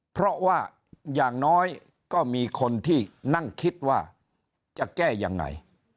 เพราะว่าอย่างน้อยก็มีคนที่นั่งคิดว่าจะแก้ยังไง